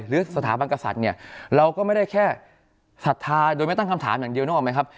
หรือสถาบันกษัตริย์เนี่ยเราก็ไม่ได้แค่ศรัทธาโดยไม่ตั้งคำถามอย่างเดียวนึกออกไหมครับ